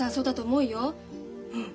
うん。